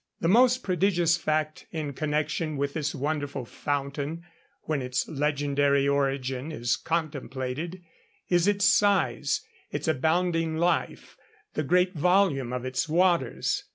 The most prodigious fact in connection with this wonderful fountain, when its legendary origin is contemplated, is its size, its abounding life, the great volume of its waters.